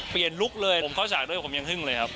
ลุคเลยผมเข้าฉากด้วยผมยังฮึ้งเลยครับ